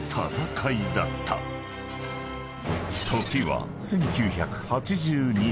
［時は１９８２年］